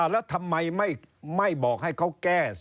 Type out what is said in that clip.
แล้วทำไมไม่บอกให้เขาแก้